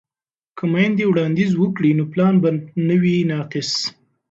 که میندې وړاندیز وکړي نو پلان به نه وي ناقص.